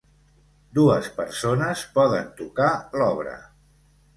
Dues persones poden tocar l'obra.